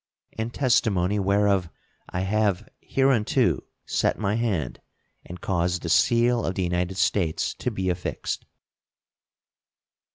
In testimony whereof I have hereunto set my hand and caused the seal of the United States to be affixed.